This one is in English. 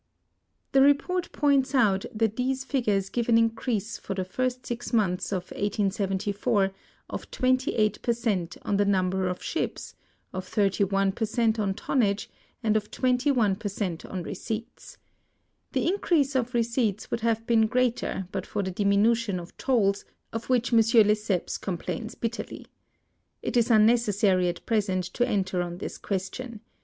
The report points out that these figures give an increase, for the first six months of 1874, of 28 per cent on the number of ships, of 31 per cent on tonnage, and of 21 per cent on receipts. The increase of PREFACE. XI receipts would have been greater but for the diminution of tolls, of which M. Lesseps complains bitterly. It is unnecessary at present to enter on this question.